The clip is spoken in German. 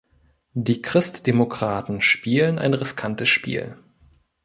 Die Christdemokraten spielen ein riskantes Spiel.